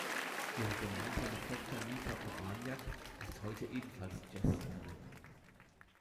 Ihre gemeinsame Tochter Mika Urbaniak ist heute ebenfalls Jazzsängerin.